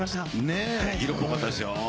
ねえ、色っぽかったですよ。